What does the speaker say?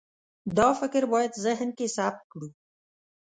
دا فکر باید ذهن کې ثبت کړو.